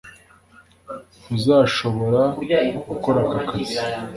ntuzashobora gukora aka kazi